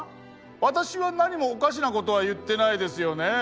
私は何もおかしなことは言ってないですよねえ？